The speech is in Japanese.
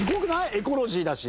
エコロジーだし。